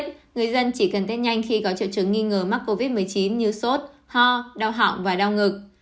người dân chỉ cần tết nhanh khi có triệu chứng nghi ngờ mắc covid một mươi chín như sốt ho đau họng và đau ngực